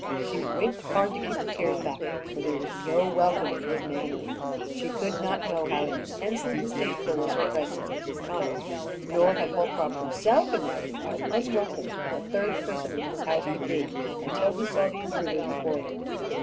She winked hard to keep the tears back, for there was no welcome in his manner. She could not know how intensely distasteful was her presence at this time, nor had Holcroft himself imagined how unwelcome a third person in his house could be until he saw the intruder before him.